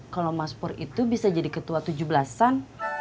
kalau mas pur itu bisa jadi ketua tujuh belasan